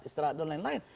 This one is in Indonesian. istirahat dan lain lain